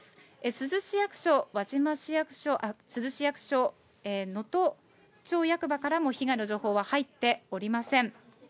珠洲市役所、輪島市役所、珠洲市役所、能登町役場からも被害の情報は入っておりません。